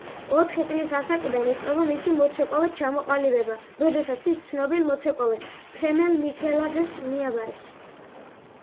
ოთხი წლის ასაკიდან იწყება მისი მოცეკვავედ ჩამოყალიბება, როდესაც ის ცნობილ მოცეკვავეს თემელ მიქელაძეს მიაბარეს.